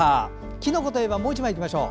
きのこといえばもう１枚いきましょう。